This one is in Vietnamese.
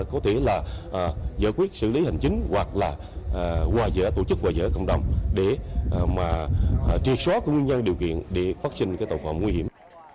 có thể là giải quyết xử lý hành chính hoặc là tổ chức và giải công đồng để triệt xóa nguyên nhân điều kiện để phát sinh cái tạo phẩm nguy hiểm